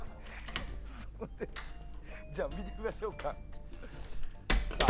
じゃあ、見てみましょうか。